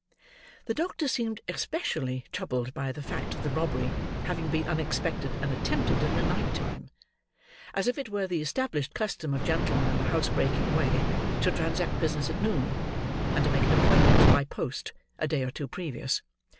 The doctor seemed especially troubled by the fact of the robbery having been unexpected, and attempted in the night time; as if it were the established custom of gentlemen in the housebreaking way to transact business at noon, and to make an appointment, by post, a day or two previous.